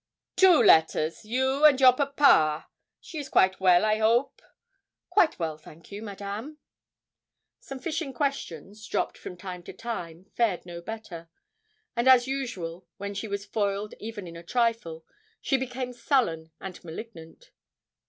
'Two letters you and your papa. She is quite well, I hope?' 'Quite well, thank you, Madame.' Some fishing questions, dropped from time to time, fared no better. And as usual, when she was foiled even in a trifle, she became sullen and malignant.